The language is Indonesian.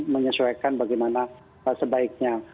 menyesuaikan bagaimana sebaiknya